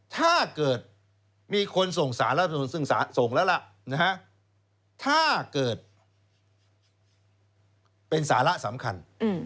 ถ้าเกิดมีคนส่งสารรัฐมนุนซึ่งส่งแล้วล่ะถ้าเกิดเป็นสาระสำคัญ